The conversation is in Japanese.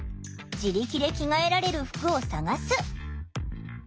自力で着替えられる服を探す。